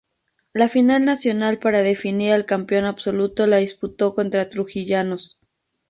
La final nacional para definir al campeón absoluto la disputó contra Trujillanos.